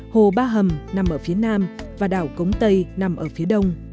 hồ ba hầm nằm ở phía nam và đảo cống tây nằm ở phía đông